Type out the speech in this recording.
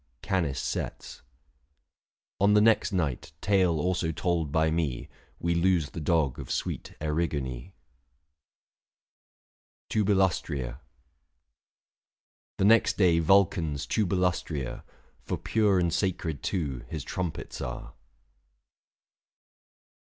CANIS SETS. On the next night, tale also told by me, We lose the dog of sweet Erigone. 830 XII. KAL. JUN. TUBILUSTKIA. The next day Vulcan's Tubilustria, For pure and sacred, too, his trumpets are.